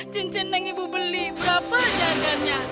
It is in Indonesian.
cincin yang ibu beli berapa jajarnya